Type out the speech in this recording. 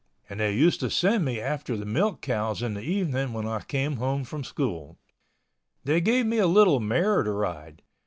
And they used to send me after the milk cows in the evening when I came home from school. They gave me a little mare to ride.